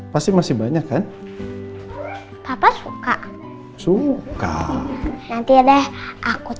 biar tidurnya nyenyak